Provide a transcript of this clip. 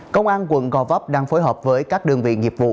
công an quận gò vấp đang phối hợp với các đơn vị nghiệp vụ